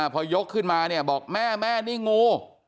พอยกขึ้นมาเนี่ยบอกแม่แม่นี่งู